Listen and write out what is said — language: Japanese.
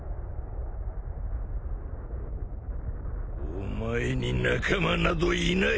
お前に仲間などいない。